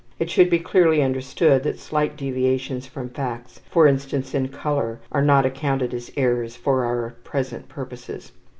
It should be clearly understood that slight deviations from facts, for instance in color, are not counted as errors for our present purposes.